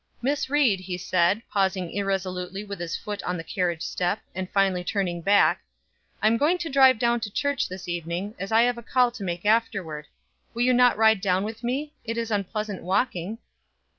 "Miss Ried," he said, pausing irresolutely with his foot on the carriage step, and finally turning back, "I am going to drive down to church this evening, as I have a call to make afterward. Will you not ride down with me; it is unpleasant walking?"